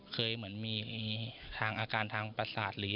เคยเหมือนมีอาการทางประสาท